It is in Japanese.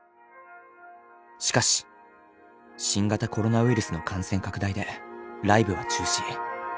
しかし新型コロナウイルスの感染拡大でライブは中止。